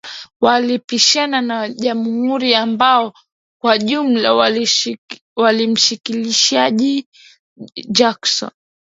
Walipishana na wanajamuhuri ambao kwa ujumla walimshinikiza Jackson